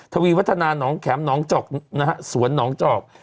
ทวีวัฒนาน้องแข็มหนองจอกนะฮะสวนหนองจอก